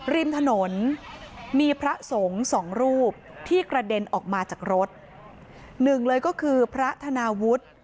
ริมถนนมีพระสงฆ์สองรูปที่กระเด็นออกมาจากรถหนึ่งเลยก็คือพระธนาวุฒิ